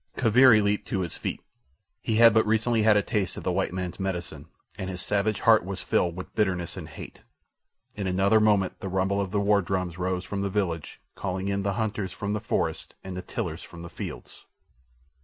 Kaviri leaped to his feet. He had but recently had a taste of the white man's medicine, and his savage heart was filled with bitterness and hate. In another moment the rumble of the war drums rose from the village, calling in the hunters from the forest and the tillers from the fields.